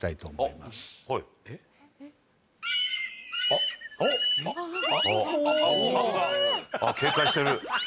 あっ警戒してる。